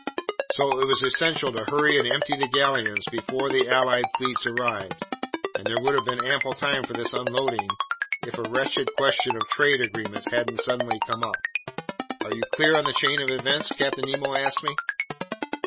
So it was essential to hurry and empty the galleons before the allied fleets arrived, and there would have been ample time for this unloading, if a wretched question of trade agreements hadn't suddenly come up. "Are you clear on the chain of events?" Captain Nemo asked me.